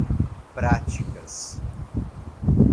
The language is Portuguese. práticas